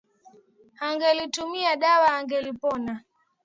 Angelitumia dawa angelipona.